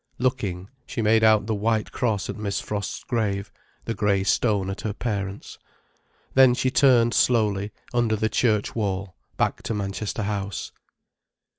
Looking, she made out the white cross at Miss Frost's grave, the grey stone at her parents'. Then she turned slowly, under the church wall, back to Manchester House.